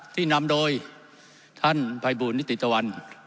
ที่นำโดยท่านภัยบูลนิติตะวัน